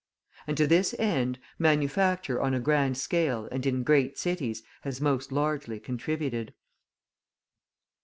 And to this end manufacture on a grand scale and in great cities has most largely contributed.